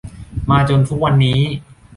มาจนทุกวันนี้